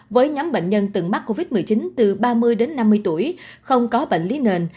với nhóm bệnh nhân từng mắc covid một mươi chín từ ba mươi đến năm mươi tuổi không có bệnh lý nền